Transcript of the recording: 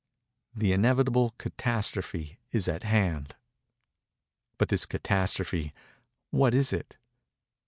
The inevitable catastrophe is at hand. But this catastrophe—what is it?